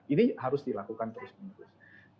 ini harus dilakukan terus menerus